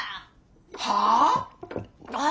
はあ！？